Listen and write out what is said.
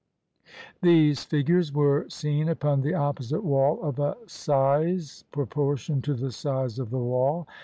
These figures were seen upon the opposite wall of a size proportioned to the size of the wall.